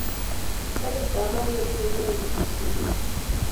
Garitab maat nerube kowendi kisumu